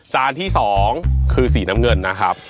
ที่๒คือสีน้ำเงินนะครับ